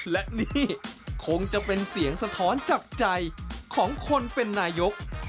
และนี่คงจะเป็นเสียงสะท้อนจับใจของคนเป็นนายก